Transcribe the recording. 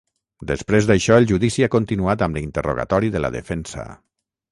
Després d’això, el judici ha continuat amb l’interrogatori de la defensa.